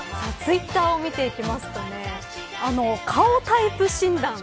ツイッターを見ていきますと顔タイプ診断